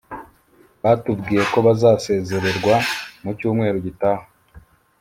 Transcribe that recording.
Batubwiye ko bazasezererwa mu cyumweru gitaha